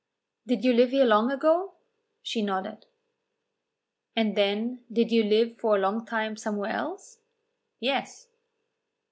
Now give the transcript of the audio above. "Did you live here long ago?" She nodded. "And then did you live for a long time somewhere else?" "Yes."